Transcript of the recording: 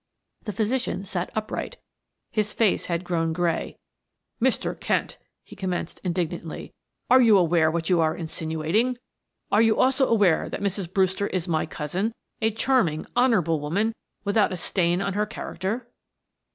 The physician sat upright, his face had grown gray. "Mr. Kent," he commenced indignantly, "are you aware what you are insinuating? Are you, also, aware that Mrs. Brewster is my cousin, a charming, honorable woman, without a stain on her character?"